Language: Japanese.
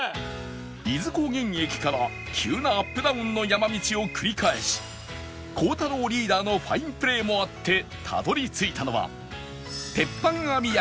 伊豆高原駅から急なアップダウンの山道を繰り返し孝太郎リーダーのファインプレーもあってたどり着いたのは